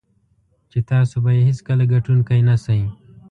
چې تاسو به یې هېڅکله ګټونکی نه شئ.